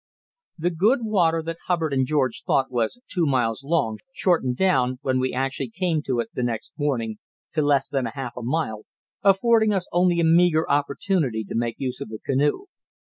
The good water that Hubbard and George thought was two miles long shortened down, when we actually came to it the next morning, to less than half a mile, affording us only a meagre opportunity to make use of the canoe.